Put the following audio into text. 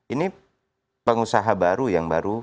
ini pengusaha baru yang baru